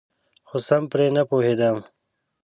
خو سم پرې نپوهیدم.